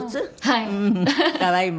はい。